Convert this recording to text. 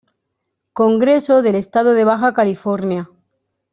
Congreso del Estado de Baja California